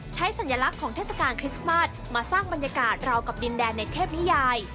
สัญลักษณ์ของเทศกาลคริสต์มาสมาสร้างบรรยากาศราวกับดินแดนในเทพนิยาย